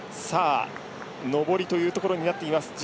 上りというところになっています。